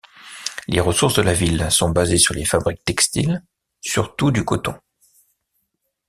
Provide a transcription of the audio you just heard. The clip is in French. Les ressources de la ville sont basées sur les fabriques textiles, surtout du coton.